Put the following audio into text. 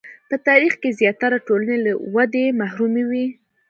په تاریخ کې زیاتره ټولنې له ودې محرومې وې.